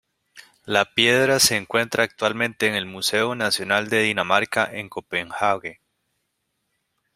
La piedra se encuentra actualmente en el Museo Nacional de Dinamarca en Copenhague.